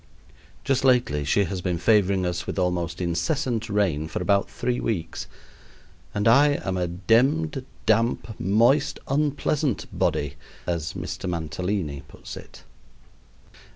Just lately she has been favoring us with almost incessant rain for about three weeks; and I am a demned damp, moist, unpleasant body, as Mr. Mantalini puts it.